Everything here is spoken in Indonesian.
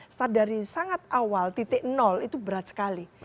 start dari sangat awal titik nol itu berat sekali